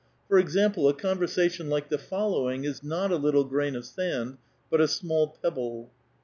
For example, a conversation like the following is not a little grain of sand, but a small pebble.